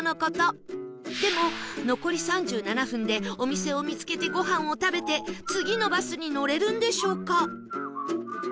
でも残り３７分でお店を見つけてごはんを食べて次のバスに乗れるんでしょうか？